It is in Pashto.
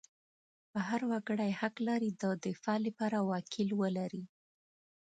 هر وګړی حق لري د دفاع لپاره وکیل ولري.